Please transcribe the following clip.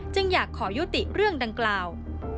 อยากขอยุติเรื่องดังกล่าว